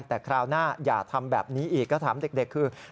แต่คราวหน้าอย่าทำแบบนี้อีกก็ถามเด็กคือ